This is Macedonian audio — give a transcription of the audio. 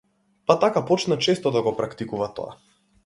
Па така почна често да го практикува тоа.